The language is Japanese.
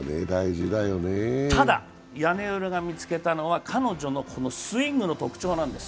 ただ、屋根裏が見つけたのは彼女のスイングの特徴なんです。